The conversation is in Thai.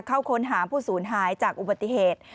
เข้าค้นหาผู้สูญหายจากอุบัติเหตุ